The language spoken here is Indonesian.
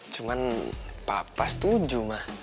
cuma papa setuju ma